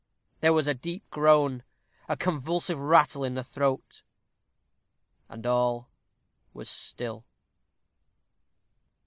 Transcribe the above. There was a deep groan; a convulsive rattle in the throat; and all was still.